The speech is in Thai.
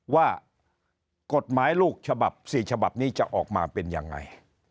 ว่ากฎหมายลูกฉบับ๔ฉบับนี้จะออกมาเป็นยังไง